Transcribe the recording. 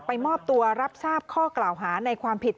มอบตัวรับทราบข้อกล่าวหาในความผิด